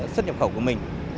xuất nhập khẩu của mình